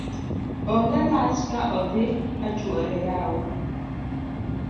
ong'e rach ka odhi kachoure yawa